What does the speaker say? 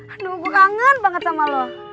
aduh gue kangen banget sama lo